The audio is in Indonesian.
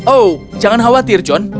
oh jangan khawatir john